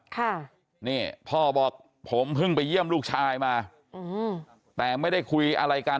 ค่ะนี่พ่อบอกผมเพิ่งไปเยี่ยมลูกชายมาอืมแต่ไม่ได้คุยอะไรกัน